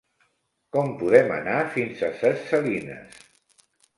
Com podem anar fins a Ses Salines?